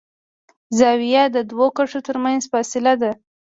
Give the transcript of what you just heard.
زاویه د دوو کرښو تر منځ فاصله ده.